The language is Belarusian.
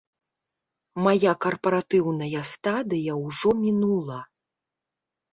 Мая карпаратыўная стадыя ўжо мінула.